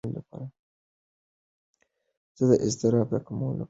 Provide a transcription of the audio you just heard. زه د اضطراب د کمولو لپاره مشغولیت لرم.